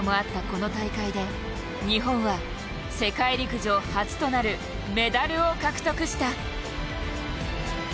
この大会で、日本は世界陸上初となるメダルを獲得した。